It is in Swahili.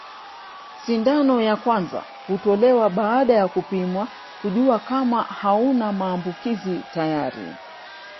Sindano ya kwanza hutolewa baada ya kupimwa kujua kama hauna maambukizi tayari